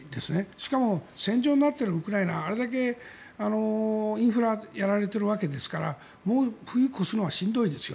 しかも戦場になっているウクライナあれだけインフラをやられてるわけですからもう冬を越すのはしんどいですよ。